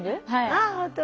ああ本当。